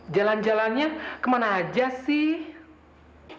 jalan jalannya kemana aja sih